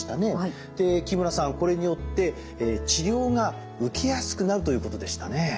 で木村さんこれによって治療が受けやすくなるということでしたね。